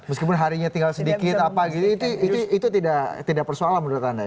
meskipun harinya tinggal sedikit apa gitu itu tidak persoalan menurut anda ya